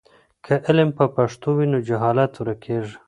که علم په پښتو وي نو جهالت ورکېږي.